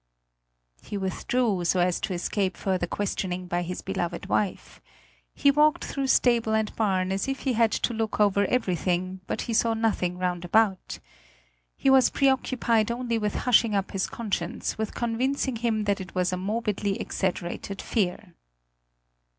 He withdrew, so as to escape further questioning by his beloved wife. He walked through stable and barn, as if he had to look over everything; but he saw nothing round about. He was preoccupied only with hushing up his conscience, with convincing himself that it was a morbidly exaggerated fear.